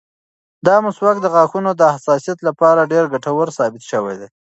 دا مسواک د غاښونو د حساسیت لپاره ډېر ګټور ثابت شوی دی.